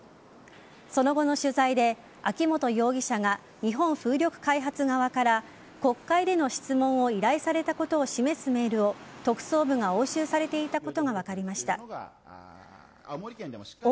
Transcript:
その後の取材で秋本容疑者が日本風力開発側から国会での質問を依頼されたことを示すメールを特捜部が押収していたことが分かりました。